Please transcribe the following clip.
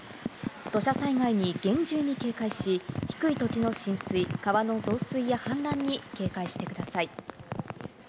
土砂災害に厳重に警戒し、低い土地の浸水、川の増水や氾濫に警戒してください。